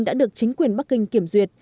đã được chính quyền bắc kinh kiểm duyệt